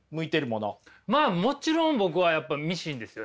まあもちろん僕はやっぱミシンですよね。